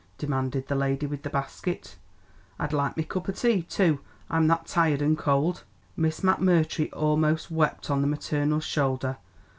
demanded the lady with the basket. "I'd like me cup o' tea, too; I'm that tired an' cold." Miss McMurtry almost wept on the maternal shoulder.